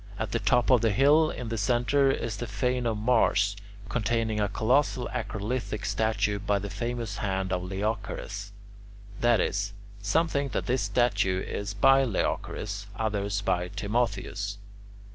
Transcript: At the top of the hill, in the centre, is the fane of Mars, containing a colossal acrolithic statue by the famous hand of Leochares. That is, some think that this statue is by Leochares, others by Timotheus.